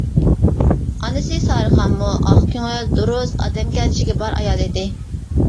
ئانىسى سارىخانمۇ ئاق كۆڭۈل، دۇرۇس، ئادەمگەرچىلىكى بار ئايال ئىدى.